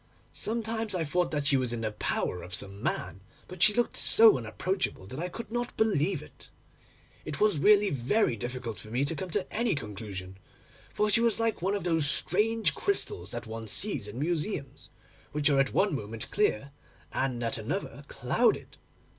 Sometimes I thought that she was in the power of some man, but she looked so unapproachable, that I could not believe it. It was really very difficult for me to come to any conclusion, for she was like one of those strange crystals that one sees in museums, which are at one moment clear, and at another clouded.